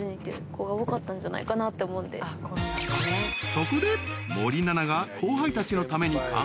［そこで］